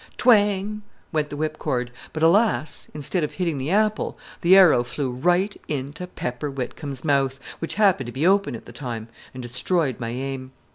Twang! went the whipcord; but, alas! instead of hitting the apple, the arrow flew right into Pepper Whitcomb's mouth, which happened to be open at the time, and destroyed my aim.